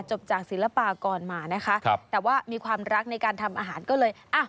จบจากศิลปากรมานะคะครับแต่ว่ามีความรักในการทำอาหารก็เลยอ่ะ